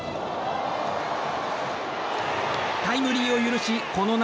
タイムリーを許しこの夏